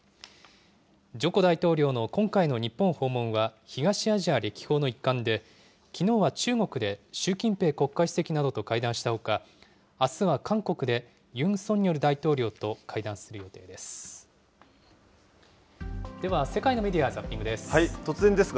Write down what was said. ジョコ大統領の今回の日本訪問は東アジア歴訪の一環で、きのうは中国で、習近平国家主席などと会談したほか、あすは韓国で、ユン・ソンニョル大統領と会談する予定です。